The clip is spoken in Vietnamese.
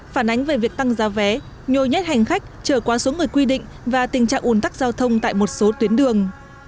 phản ánh về việc tăng giá vé nhồi nhét hành khách trở qua số người quy định và tình trạng ủn tắc giao thông tại một số tuyến đường